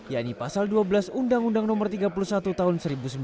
yakni pasal dua belas undang undang no tiga puluh satu tahun seribu sembilan ratus sembilan puluh